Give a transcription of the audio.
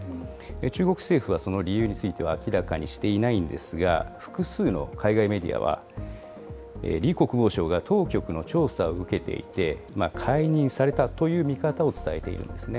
中国政府はその理由については明らかにしていないんですが、複数の海外メディアは、李国防相が当局の調査を受けていて、解任されたという見方を伝えているんですね。